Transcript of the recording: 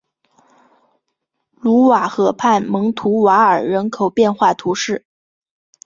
卢瓦河畔蒙图瓦尔人口变化图示